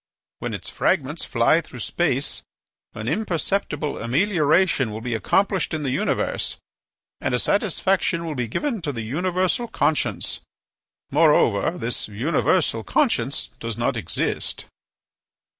When its fragments fly through space an imperceptible amelioration will be accomplished in the universe and a satisfaction will be given to the universal conscience. Moreover, this universal conscience does not exist."